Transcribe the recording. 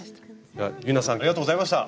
ではｙｕｎａさんありがとうございました。